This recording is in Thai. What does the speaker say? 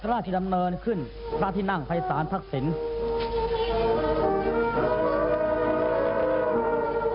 ทราบที่ดำเนินขึ้นทราบที่นั่งไพรศาลพักศิลป์